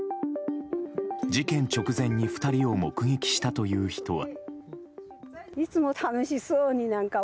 事件直前に２人を目撃したという人は。